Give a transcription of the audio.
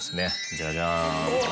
じゃじゃーん。